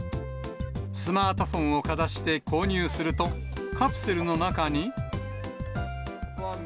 スマートフォンをかざして購入すると、カプセルの中に。